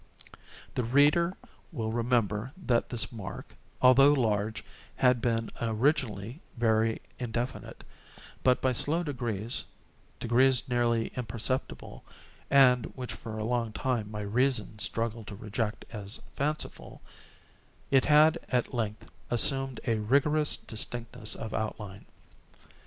The reader will remember that this mark, although large, had been originally very indefinite; but, by slow degrees—degrees nearly imperceptible, and which for a long time my reason struggled to reject as fanciful—it had, at length, assumed a rigorous distinctness of outline.